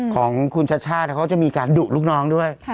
ของคุณชัชชาติเขาจะมีการดุลูกน้องด้วย